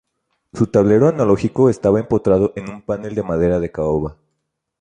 Su tablero analógico estaba empotrado en un panel de madera de caoba.